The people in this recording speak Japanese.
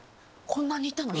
こんなにいたの？